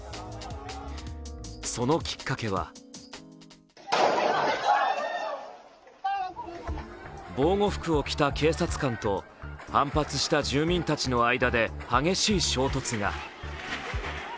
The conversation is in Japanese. そのきっかけは防護服を着た警察官と、反発した住民たちの間で激しい衝突が。